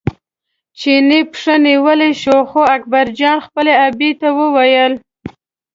چیني پښه نیولی شو خو اکبرجان خپلې ابۍ ته وویل.